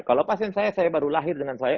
kalau pasien saya saya baru lahir dengan saya